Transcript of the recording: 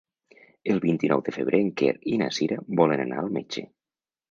El vint-i-nou de febrer en Quer i na Cira volen anar al metge.